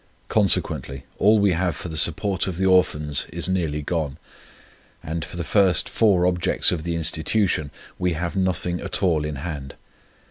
Consequently, all we have for the support of the Orphans is nearly gone; and for the first four Objects of the Institution we have nothing at all in hand.